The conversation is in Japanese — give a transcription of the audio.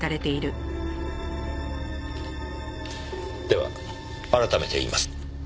では改めて言います。